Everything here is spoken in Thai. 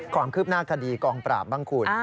ความคืบหน้าคดีกองปราบบ้างคุณ